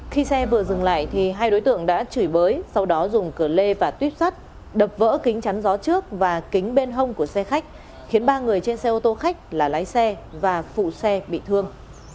khi xe vừa dừng lại thì hai đối tượng đã chửi bới sau đó dùng cửa lê và tuyếp sắt đập vỡ kính chắn gió trước và kính bên hông của xe khách khiến ba người trên xe ô tô khách là lái xe và phụ xe bị thương